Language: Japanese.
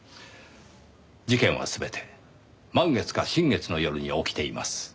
事件は全て満月か新月の夜に起きています。